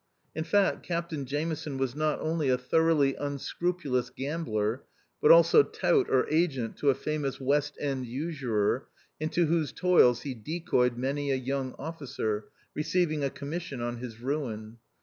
In fact, Captain Jameson was not only a thoroughly unscrup ulous gambler, but also " tout " or agent to a famous west end usurer, into whose toils he decoyed many a young officer, receiving a commission on his ruin.